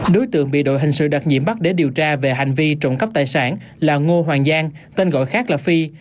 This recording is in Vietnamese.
đối tượng bị đội hình sự đặc nhiệm bắt để điều tra về hành vi trộm cắp tài sản là ngô hoàng giang tên gọi khác là phi